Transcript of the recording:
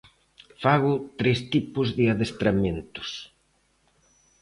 Fago tres tipos de adestramentos.